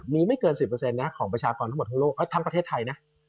มีไม่เกิน๑๐ของประชากรทั้งประเทศไทย